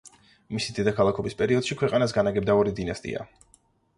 მისი დედაქალაქობის პერიოდში ქვეყანას განაგებდა ორი დინასტია.